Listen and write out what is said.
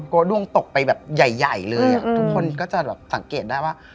ด้วงตกไปแบบใหญ่เลยทุกคนก็จะแบบสังเกตได้ว่า